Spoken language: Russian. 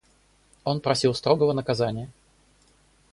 Он просил строгого наказания.